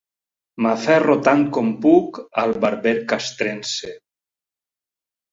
M'aferro tant com puc al barber castrense.